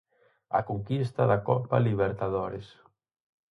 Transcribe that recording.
A conquista da Copa Libertadores.